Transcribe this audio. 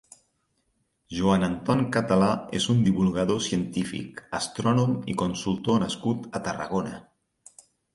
Joan Anton Català és un divulgador científic, astrònom i consultor nascut a Tarragona.